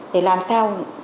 để làm sao